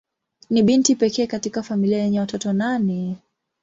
Ni binti pekee katika familia yenye watoto nane.